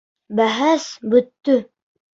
Бәхәс бөттө.